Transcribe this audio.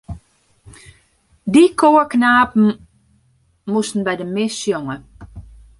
Dy koarknapen moasten by de mis sjonge.